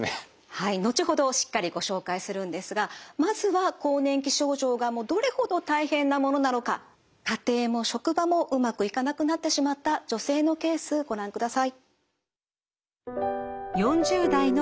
はい後ほどしっかりご紹介するんですがまずは更年期症状がもうどれほど大変なものなのか家庭も職場もうまくいかなくなってしまった女性のケースご覧ください。